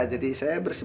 jadi saya bersih bersih